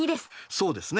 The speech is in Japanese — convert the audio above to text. そうですね。